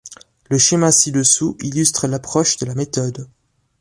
Le schéma ci-dessous illustre l’approche de la méthode.